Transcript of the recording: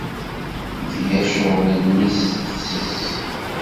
Tga ccɣel-nni s tefses.